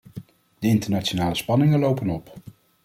De internationale spanningen lopen op.